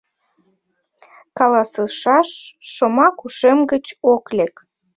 Каласышаш шомак ушем гыч ок лек.